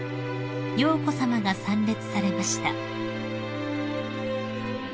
瑶子さまが参列されました］